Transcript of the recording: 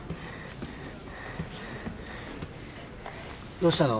どうしたの？